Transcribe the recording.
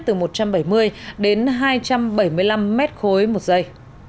từ một trăm bảy mươi đến hai trăm bảy mươi năm m ba một giây